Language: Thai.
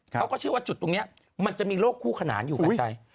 เขาก็เชื่อว่าจุดตรงนี้มันจะมีโลกคู่ขนานอยู่กัญชัย